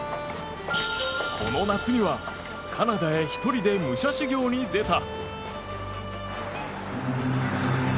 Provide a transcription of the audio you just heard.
この夏には、カナダへ１人で武者修行に出た。